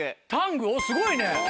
すごいね！